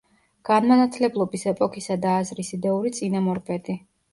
განმანათლებლობის ეპოქისა და აზრის იდეური წინამორბედი.